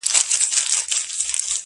خدايه زما پر ځای ودې وطن ته بل پيدا که،